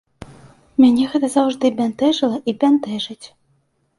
Мяне гэта заўжды бянтэжыла і бянтэжыць.